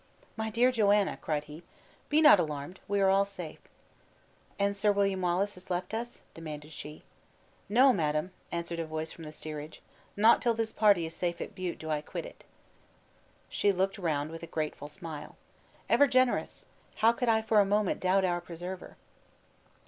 "My dear Joanna," cried he, "be not alarmed, we are all safe." "And Sir William Wallace has left us?" demanded she. "No, madam," answered a voice from the steerage, "not till this party is safe at Bute do I quit it." She looked round with a grateful smile; "Ever generous! How could I for a moment doubt our preserver?"